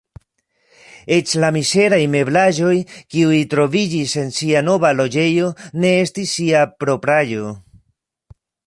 Eĉ la mizeraj meblaĵoj, kiuj troviĝis en ŝia nova loĝejo, ne estis ŝia propraĵo.